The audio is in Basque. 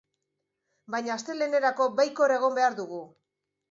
Baina astelehenerako baikor egon behar dugu.